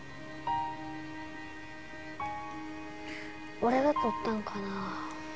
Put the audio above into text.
俺が撮ったんかな？